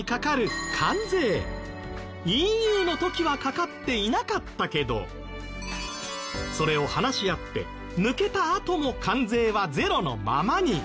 ＥＵの時はかかっていなかったけどそれを話し合って抜けたあとも関税はゼロのままに。